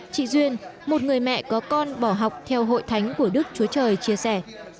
chị duyên một người mẹ có con bỏ học theo hội thánh của đức chúa trời chia sẻ